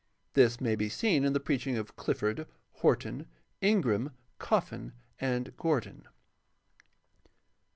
This may be seen in the preach ing of Clifford, Horton, Ingram, Coffin, and Gordon.